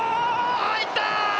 入った！